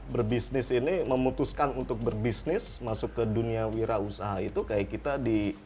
berbisnis ini memutuskan untuk berbisnis masuk ke duniawirausaha itu kayak kita di